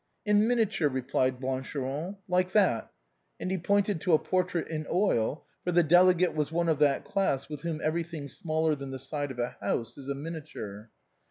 " "In miniature," replied Blancheron, "like that;" and he pointed to a portrait in oil; for the delegate was one of that class with whom every thing smaller than the side of a house is miniature.